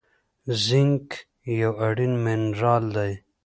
زینک یو اړین منرال دی.